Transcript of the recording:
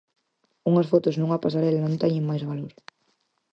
Unhas fotos nunha pasarela non teñen máis valor.